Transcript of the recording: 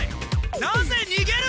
なぜにげる！？